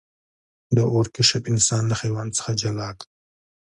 د اور کشف انسان له حیوان څخه جلا کړ.